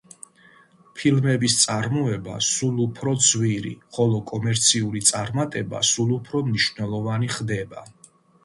ფილმების წარმოება სულ უფრო ძვირი, ხოლო კომერციული წარმატება სულ უფრო მნიშვნელოვანი ხდებოდა.